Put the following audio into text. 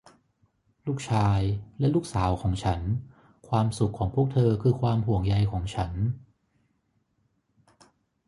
ลูกชายและลูกสาวของฉัน ความสุขของพวกเธอคือความห่วงใยของฉัน